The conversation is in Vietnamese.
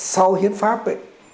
sau hiến pháp